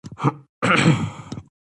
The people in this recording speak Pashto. لګښت یا مصرف په اقتصاد کې څه ته وايي؟